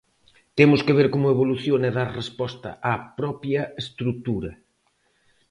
Temos que ver como evoluciona e dar resposta á propia estrutura.